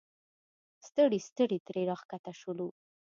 ستړي ستړي ترې راښکته شولو.